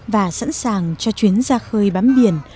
và sẵn sàng cho chuyến ra khơi bám biển